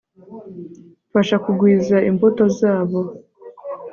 fasha kugwiza imbuto zabo